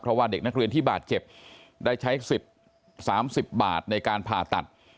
เพราะว่าเด็กนักเรียนที่บาดเจ็บได้ใช้สิทธิ์๓๐บาทในการผ่าตัด